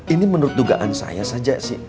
ini menurut dugaan saya saja sih